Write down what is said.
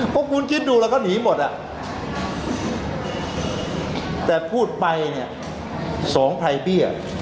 เพราะคุณคิดดูแล้วก็หนีหมดอ่ะแต่พูดไปเนี่ยสองภัยเบี้ย